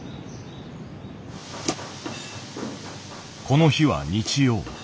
この日は日曜。